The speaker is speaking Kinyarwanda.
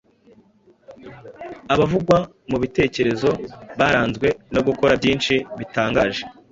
Abavugwa mu bitekerezo baranzwe no gukora byinshi bitangaje,